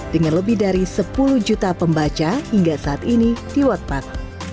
dengan lebih dari sepuluh juta pembaca hingga saat ini di watpak